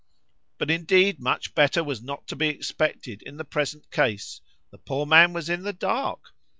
—But indeed much better was not to be expected, in the present case—the poor man was in the dark!